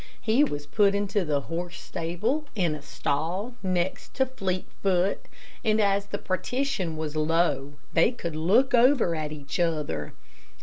He was put into the horse stable in a stall next Fleetfoot, and as the partition was low, they could look over at each other.